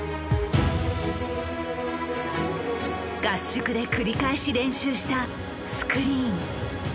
合宿で繰り返し練習したスクリーン。